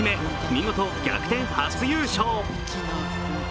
見事、逆転初優勝。